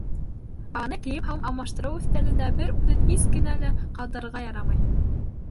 Баланы кейем-һалым алмаштырыу өҫтәлендә бер үҙен һис кенә лә ҡалдырырға ярамай.